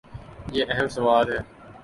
یہ اہم سوال ہے۔